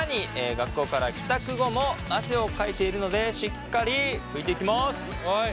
学校から帰宅後も汗をかいているのでしっかり拭いていきます。